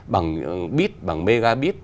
bằng bit bằng megabit